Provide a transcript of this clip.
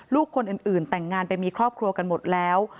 ลูกคนอื่นแต่งงานไปมีครอบครัวกันหมดแล้ว